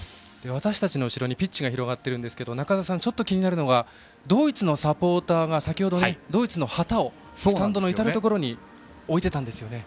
私たちの後ろにピッチが広がっていますが中澤さん、ちょっと気になるのがドイツのサポーターが先程ドイツの旗をスタンドの至る所に置いていたんですよね。